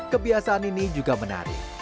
kebiasaan ini juga menarik